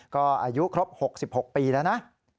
ก็อายุครบ๖๖ปีแล้วนะ